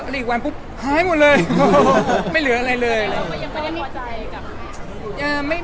แล้วเราก็ยังไม่พอใจกับแมก